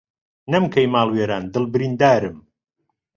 نەم کەی ماڵ وێران دڵ بریندارم